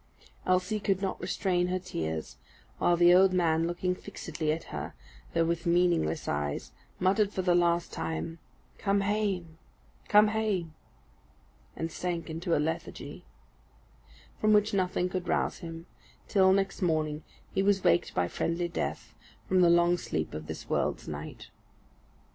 Elsie could not restrain her tears; while the old man, looking fixedly at her, though with meaningless eyes, muttered, for the last time, "Come hame! come hame!" and sank into a lethargy, from which nothing could rouse him, till, next morning, he was waked by friendly death from the long sleep of this world's night.